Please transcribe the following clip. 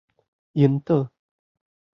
櫻島